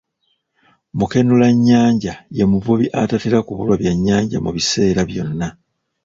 Mukenulannyanja ye muvubi atatera kubulwa byannyanja mu biseera byonna.